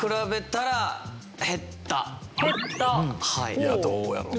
いやどうやろな。